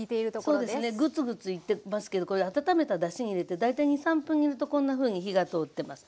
グツグツいってますけどこれ温めただしに入れて大体２３分煮るとこんなふうに火が通ってます。